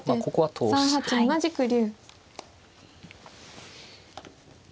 後手３八同じく竜。